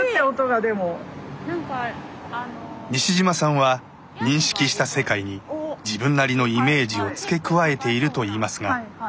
西島さんは認識した世界に自分なりのイメージを付け加えているといいますが。